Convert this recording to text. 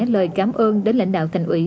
lời cảm ơn đến lãnh đạo thành ủy